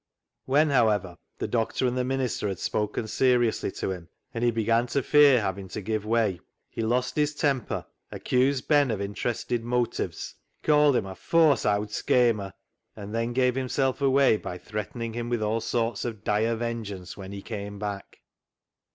When, however, the doctor and the minister had spoken seriously to him, and he began to fear having to give way, he lost his temper, accused Ben of interested motives, called him a " fawse owd schamer," and then gave himself away by threatening him with all sorts of dire ven geance when he came back.